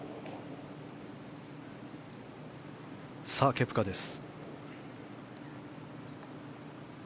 ケプカです。